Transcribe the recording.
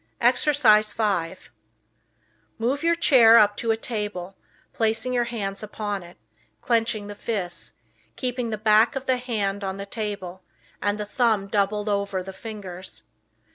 Exercise 5 Move your chair up to a table, placing your hands upon it, clenching the fists, keeping the back of the hand on the table, the thumb doubled over the fingers.